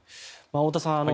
太田さん